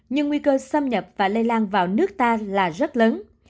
nhưng nguy cơ xâm nhập và lây lan vào nước ta là rất lớn